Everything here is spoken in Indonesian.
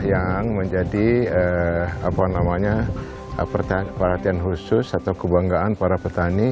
yang menjadi perhatian khusus atau kebanggaan para petani